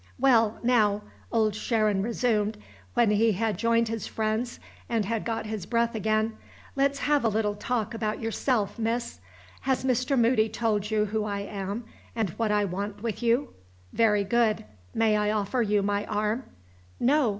"Well, now," Old Sharon resumed when he had joined his friends and had got his breath again, "let's have a little talk about yourself, miss. Has Mr. Moody told you who I am, and what I want with you? Very good. May I offer you my arm? No!